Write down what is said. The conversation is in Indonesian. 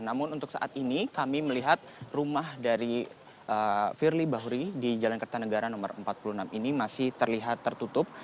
namun untuk saat ini kami melihat rumah dari firly bahuri di jalan kertanegara nomor empat puluh enam ini masih terlihat tertutup